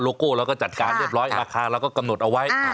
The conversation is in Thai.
โก้เราก็จัดการเรียบร้อยราคาเราก็กำหนดเอาไว้